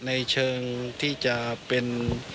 ในเชิงที่จะเป็น